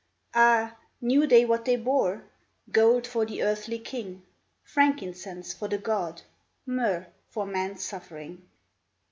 Ah ! knew they what they bore ? Gold for the earthly king — Frankincense for the God — Myrrh for man's suffering.